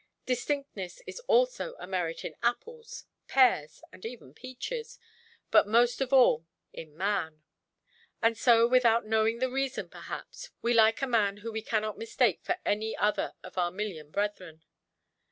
Distinctness is also a merit in apples, pears, and even peaches; but most of all in man. And so, without knowing the reason, perhaps, we like a man whom we cannot mistake for any other of our million brethren.